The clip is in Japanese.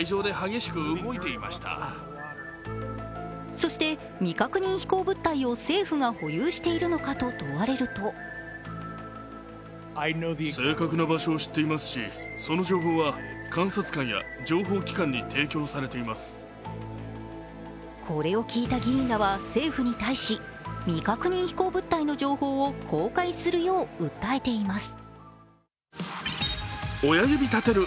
そして未確認飛行物体を政府が保有しているのかと問われるとこれを聞いた議員らは政府に対し、未確認飛行物体の情報を公開するよう訴えています。